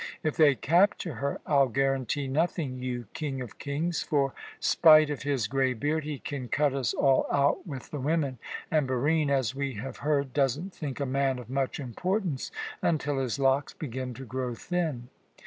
If they capture her, I'll guarantee nothing, you 'King of kings!' for, spite of his grey beard, he can cut us all out with the women, and Barine as we have heard doesn't think a man of much importance until his locks begin to grow thin.